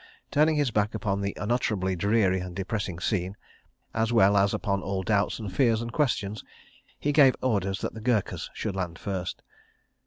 Turning his back upon the unutterably dreary and depressing scene, as well as upon all doubts and fears and questions, he gave orders that the Gurkhas should land first.